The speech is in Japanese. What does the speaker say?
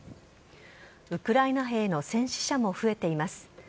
ウクライナ兵の戦死者も増えています。